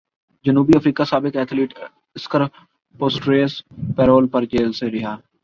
جنوبی افریقہ سابق ایتھلیٹ اسکر پسٹوریس پیرول پر جیل سے رہا